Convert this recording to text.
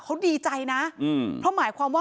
เขาดีใจนะเพราะหมายความว่า